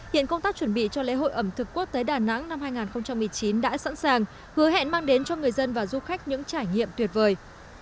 hiện công tác chuẩn bị cho lễ hội ẩm thực quốc tế đà nẵng năm hai nghìn một mươi chín đã sẵn sàng hứa hẹn mang đến cho người dân và du khách những trải nghiệm tuyệt vời